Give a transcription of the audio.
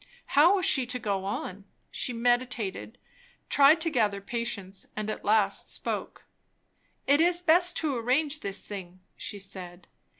How was she to go on? She meditated, tried to gather patience, and at last spoke. "It is best to arrange this thing," she said.